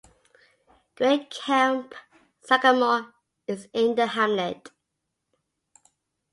Great Camp Sagamore is in the hamlet.